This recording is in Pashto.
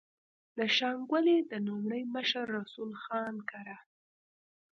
د شانګلې د نوموړي مشر رسول خان کره